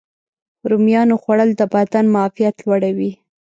رومیانو خوړل د بدن معافیت لوړوي.